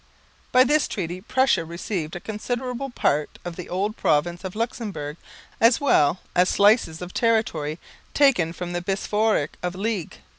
By this treaty Prussia received a considerable part of the old province of Luxemburg as well as slices of territory taken from the bishopric of Liège.